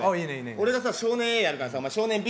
俺がさ少年Ａやるからさお前少年Ｂ。